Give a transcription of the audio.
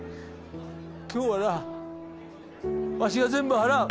今日はなわしが全部払う。